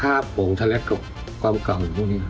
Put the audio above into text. ภาพของแจ็คกับความเก่าอยู่พวกนี้